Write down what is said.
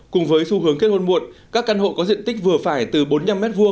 cùng với xu hướng kết hôn muộn các căn hộ có diện tích vừa phải từ bốn mươi năm m hai